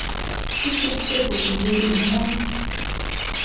Тільки пси по подвір'ю ганяли.